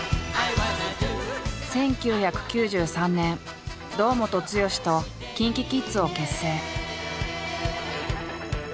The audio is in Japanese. １９９３年堂本剛とＫｉｎＫｉＫｉｄｓを結成。